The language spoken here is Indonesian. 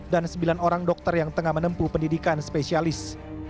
dan sembilan orang dokter yang tengah menempuh pendidikan spesialis